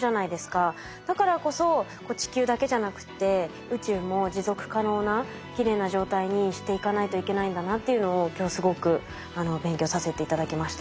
だからこそ地球だけじゃなくて宇宙も持続可能なきれいな状態にしていかないといけないんだなっていうのを今日すごく勉強させて頂きました。